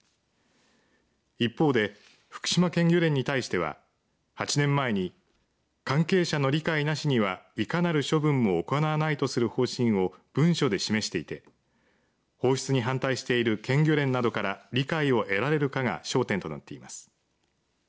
一方で、福島県漁連に対しては８年前に関係者の理解なしにはいかなる処分も行わないとする方針を文書で示していて放出に反対している県漁連などから理解を得られるかが焦点となっています。